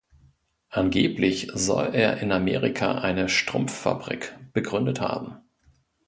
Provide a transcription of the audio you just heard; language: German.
Angeblich soll er in Amerika eine Strumpffabrik begründet haben.